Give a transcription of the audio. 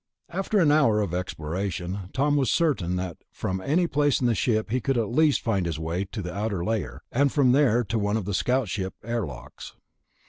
After an hour of exploration, Tom was certain that from any place in the ship he could at least find his way to the outer layer, and from there to one of the scout ship airlocks.